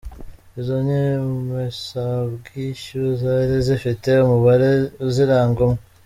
Izo nyemezabwishyu zari zifite umubare uziranga umwe.